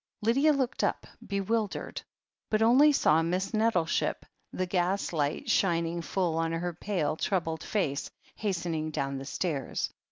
Lydia looked up, bewildered, but only saw Miss Net tleship, the gas light shining full on her pale, troubled face, hastening down the stairs.